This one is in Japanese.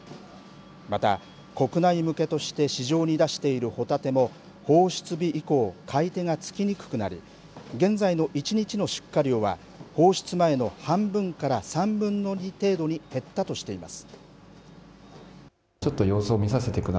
また、国内向けとして市場に出している帆立ても放出日以降買い手がつきにくくなり現在の１日の出荷量は放出前の半分から３分の２程度に減ったとしています。